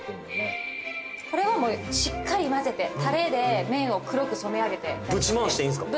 これはもうしっかり混ぜてタレで麺を黒く染め上げてブチ回していいんですか？